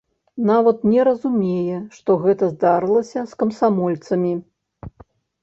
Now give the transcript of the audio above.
Нават не разумее, што гэта здарылася з камсамольцамі.